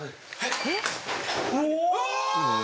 お！